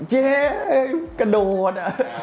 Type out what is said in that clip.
เย้เกดวน